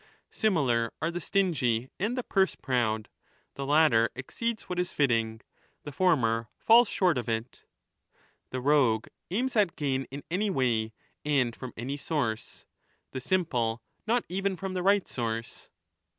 Similar are the stingy and the purse proud ; ?,i the latter exceeds what is fitting, the former falls short of it. The rogue aims at gain in any way and from any source; the simple /not even from the right source.